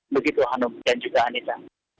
begitu hanum dan juga anissa